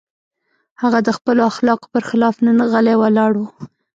هغه د خپلو اخلاقو پر خلاف نن غلی ولاړ و.